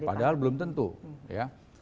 padahal belum tentu ya